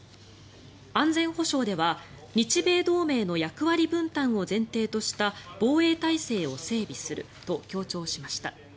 安全保障では日米同盟の役割分担を前提とした防衛体制を整備すると強調しました。